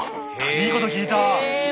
いいこと聞いた。